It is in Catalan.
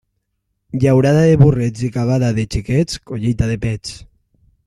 Llaurada de burrets i cavada de xiquets, collita de pets.